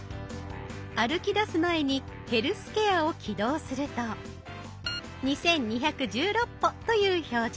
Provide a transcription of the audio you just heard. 歩き出す前に「ヘルスケア」を起動すると「２，２１６歩」という表示。